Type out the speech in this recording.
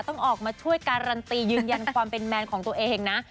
ต้องออกมาช่วยการันตียืนยันความเป็นแมนของตัวเองนะ